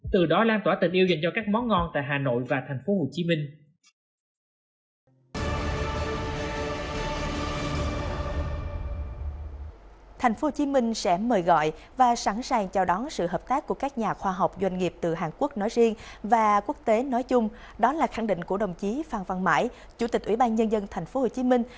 từ đó lan tỏa tình yêu dành cho các món ngon tại hà nội và tp hcm